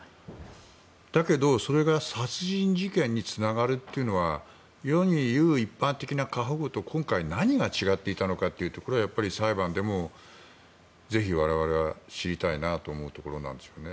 だけど、それが殺人事件につながるというのは世に言う一般的な過保護と今回、何が違っていたのかというところは裁判でもぜひ我々は知りたいなと思うところです。